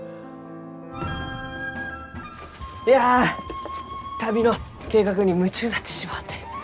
いや旅の計画に夢中になってしもうて。